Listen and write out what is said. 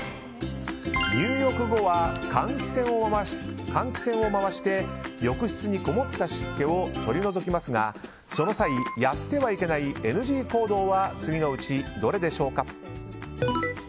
入浴後は換気扇を回して浴室にこもった湿気を取り除きますがその際、やってはいけないＮＧ行動は次のうちどれでしょうか？